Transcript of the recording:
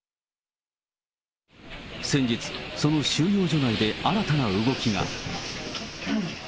先日、その収容所内で新たな動きが。